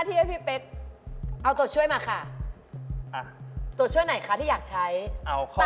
ดูมีความสุขในการใช้ตัวช่วยนะ